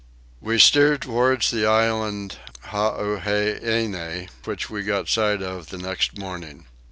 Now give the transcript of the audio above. We steered towards the island Huaheine, which we got sight of the next morning.